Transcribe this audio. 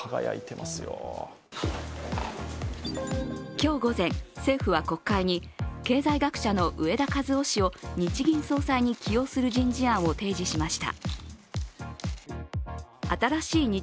今日午前、政府は国会に経済学者の植田和男氏を日銀総裁に起用する人事案を提示しました。